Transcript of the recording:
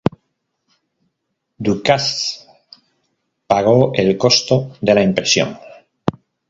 Ducasse pagó el costo de la impresión.